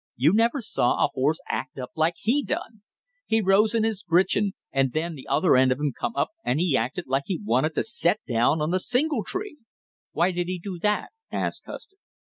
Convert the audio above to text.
You never saw a horse act up like he done! He rose in his britching and then the other end of him come up and he acted like he wanted to set down on the singletree!" "Why did he do that?" asked Custer.